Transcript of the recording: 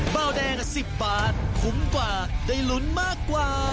เบาแดง๑๐บาทคุ้มกว่าได้ลุ้นมากกว่า